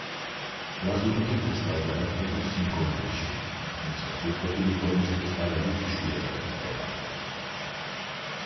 ლაზურიტი კრისტალდება კუბურ სინგონიაში, თუმცა სრულყოფილი ფორმის კრისტალები იშვიათად გვხვდება.